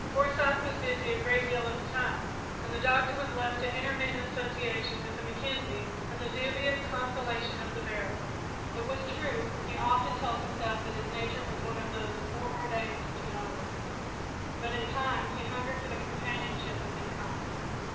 Forsyth was busy a great deal of the time, and the Doctor was left to intermittent association with the Mackenzies and the dubious consolation of the barracks. It was true, as he often told himself, that his nature was one of those foreordained to loneliness, but at times he hungered for the companionship of his kind.